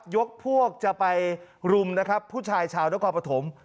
ยกพวกจะไปรุมนะครับผู้ชายชาวและความประถม